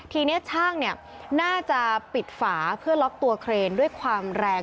ทีนี้ช่างน่าจะปิดฝาเพื่อล็อกตัวเครนด้วยความแรง